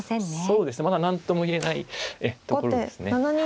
そうですねまだ何とも言えないところですね。